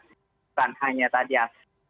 bukan hanya saja